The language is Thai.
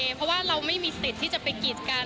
เพราะว่าเราไม่มีสิทธิ์ที่จะไปกีดกัน